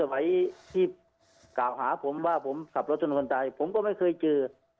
ที่กล่าวหาผมว่าผมขับรถชนคนตายผมก็ไม่เคยเจอ